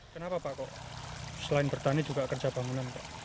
kenapa pak kok selain bertani juga kerja bangunan kok